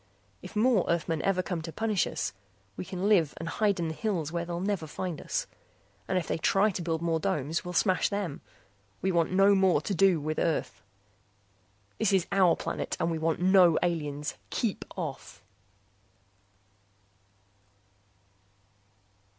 If more Earthmen ever come to punish us, we can live and hide in the hills where they'll never find us. And if they try to build more domes here we'll smash them. We want no more to do with Earth. This is our planet and we want no aliens. Keep off!